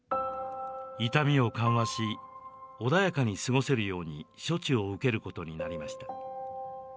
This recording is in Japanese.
痛みを緩和し穏やかに過ごせるように処置を受けることになりました。